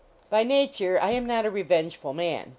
By nature, I am not a revengeful man.